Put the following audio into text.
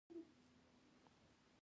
ازادي راډیو د روغتیا وضعیت انځور کړی.